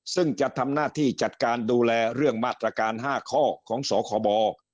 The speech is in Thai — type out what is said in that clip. ซึ่งจะทำหน้าที่จัดการดูแลเรื่องมาตรการ๕ข้อของสคบ